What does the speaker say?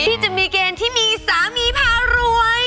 ที่จะมีเกณฑ์ที่มีสามีพารวย